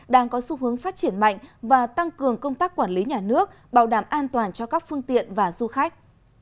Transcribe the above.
đang có xu hướng phát triển mạnh và tăng cường công tác quản lý nhà nước bảo đảm an toàn cho các phương tiện và du khách